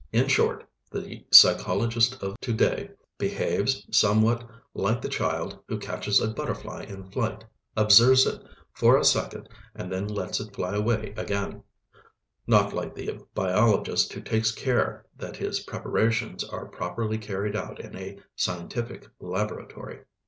In short, the psychologist of to day behaves somewhat like the child who catches a butterfly in flight, observes it for a second and then lets it fly away again; not like the biologist who takes care that his preparations are properly carried out in a scientific laboratory.